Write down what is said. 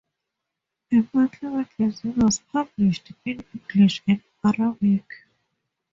A monthly magazine was published in English and Arabic.